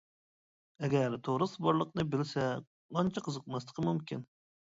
ئەگەر تورۇس بارلىقىنى بىلسە ئانچە قىزىقماسلىقى مۇمكىن.